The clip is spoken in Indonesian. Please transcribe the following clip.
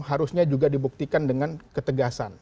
harusnya juga dibuktikan dengan ketegasan